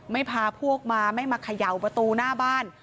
พาพวกมาไม่มาเขย่าประตูหน้าบ้าน